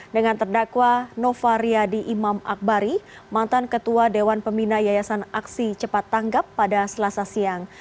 dengan terdakwa nova riyadi imam akbari mantan ketua dewan pembina yayasan aksi cepat tanggap pada selasa siang